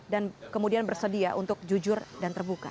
dan kemudian bersedia untuk jujur dan terbuka